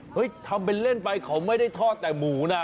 ทำเป็นเล่นไปเขาไม่ได้ทอดแต่หมูนะ